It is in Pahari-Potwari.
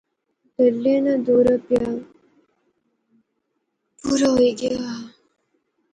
دلے ناں دورہ پیا، پورا ہوئی گیا